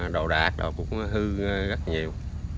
đồ đạc cũng hư rất nhiều